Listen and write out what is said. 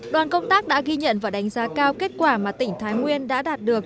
đoàn công tác đã ghi nhận và đánh giá cao kết quả mà tỉnh thái nguyên đã đạt được